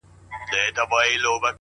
افسانې د برېتورو، ږيرورو؛